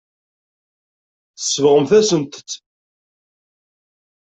Tsebɣem-asent-tt.